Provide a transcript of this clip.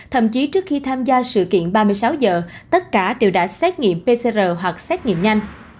thậm chí trước khi tham gia sự kiện ba mươi sáu giờ tất cả đều đã xét nghiệm pcr hoặc xét nghiệm nhanh